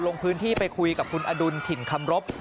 ลงพื้นที่ไปคุยกับคุณอดุลถิ่นคำรบ